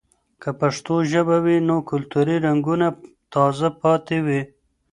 که پښتو ژبه وي، نو کلتوري رنګونه تازه پاتې وي.